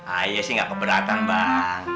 ayo sih nggak keberatan mbah